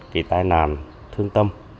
cái tai nạn thương tâm